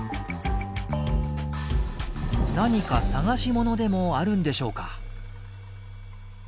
何か探し物でもあるんでしょうか。